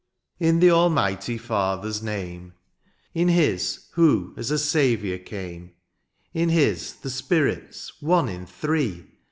*^ In the Almighty Father's name^ ^^ In his who as a Saviour came^ In his the Spirit's, one in three